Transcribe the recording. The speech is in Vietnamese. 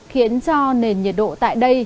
khiến cho nền nhiệt độ tại đây